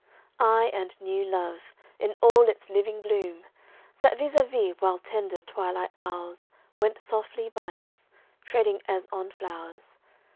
I and new love, in all its living bloom, Sat vis a vis, while tender twilight hours Went softly by us, treading as on flowers.